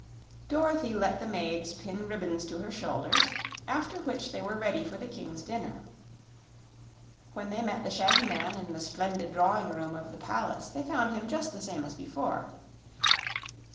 Dorothy let the maids pin ribbons to her shoulders, after which they were ready for the King's dinner. When they met the shaggy man in the splendid drawing room of the palace they found him just the same as before.